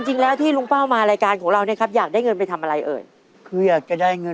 ห่วงเขามากไหมเนี่ยตอนนี้